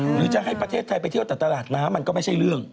หรือจะให้ประเทศไทยไปเที่ยวแต่ตลาดน้ำมันก็ไม่ใช่เรื่อง